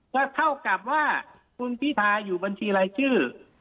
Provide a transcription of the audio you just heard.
ก็เท่ากับว่าคุณพิทาอยู่บัญชีรายชื่อ